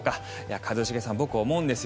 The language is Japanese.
一茂さん、僕思うんですよ。